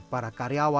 kerajaan yang apram